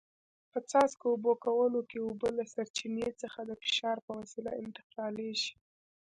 په څاڅکو اوبه کولو کې اوبه له سرچینې څخه د فشار په وسیله انتقالېږي.